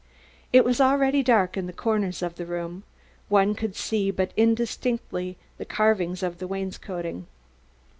It was already dark in the corners of the room, one could see but indistinctly the carvings of the wainscoting.